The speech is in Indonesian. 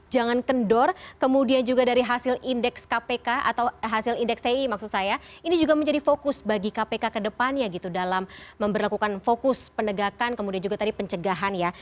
jangan kendor kemudian juga dari hasil indeks kpk atau hasil indeks ti maksud saya ini juga menjadi fokus bagi kpk kedepannya gitu dalam memperlakukan fokus penegakan kemudian juga tadi pencegahan ya